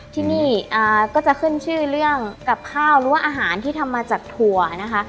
ที่นี่ก็จะขึ้นชื่อเรื่องกับข้าวหรือว่าอาหารที่ทำมาจากถั่วนะคะ